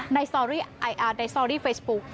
ในสตอรี่ไออาร์ในสตอรี่เฟซบุ๊ค